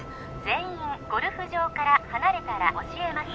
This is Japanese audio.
全員ゴルフ場から離れたら教えます